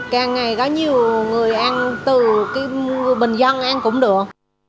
càng ngày có nhiều người ăn từ cái bình dân ăn cũng được